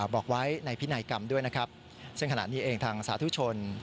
บอกไว้ในพินัยกรรมด้วยนะครับซึ่งขณะนี้เองทางสาธุชน